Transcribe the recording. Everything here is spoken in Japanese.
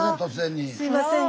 すいません